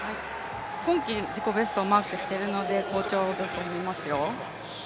今季自己ベストをマークしているので好調だと思いますよ。